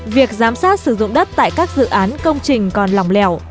việc giám sát sử dụng đất tại các dự án công trình còn lòng lẻo